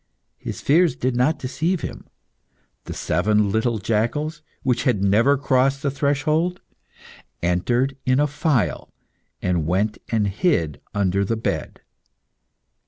His fears did not deceive him. The seven little jackals, which had never crossed the threshold, entered in a file, and went and hid under the bed.